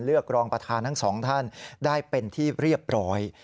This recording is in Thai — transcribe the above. รองประธานทั้งสองท่านได้เป็นที่เรียบร้อย